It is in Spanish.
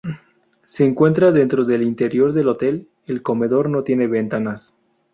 Se encuentra dentro del interior del hotel; El comedor no tiene ventanas.